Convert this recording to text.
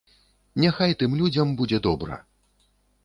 Няхай тым людзям будзе добра.